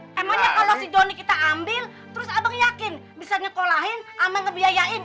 emangnya kalau si johnny kita ambil terus abang yakin bisa nyekolahin aman ngebiayain